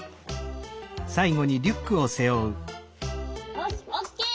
よしオッケー！